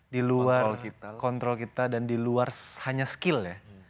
diluar kontrol kita dan diluar hanya skill ya